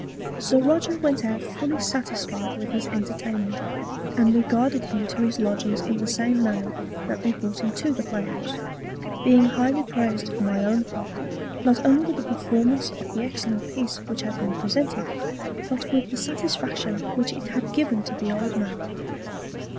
Sir Roger went out fully satisfied with his Entertainment, and we guarded him to his Lodgings in the same manner that we brought him to the Playhouse; being highly pleased, for my own part, not only with the Performance of the excellent Piece which had been Presented, but with the Satisfaction which it had given to the good old Man.